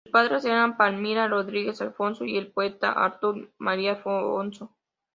Sus padres eran Palmira Rodrigues Afonso y el poeta Artur Maria Afonso.